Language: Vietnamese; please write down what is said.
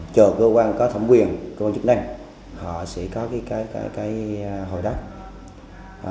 chờ cơ quan có thẩm quyền cơ quan chức năng họ sẽ có cái hồi đó